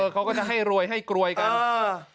เขาก็จะให้รวยให้กรวยกัน